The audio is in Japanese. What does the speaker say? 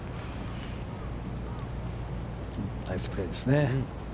ナイスプレーですね。